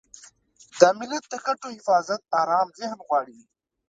د ملت د ګټو حفاظت ارام ذهن غواړي.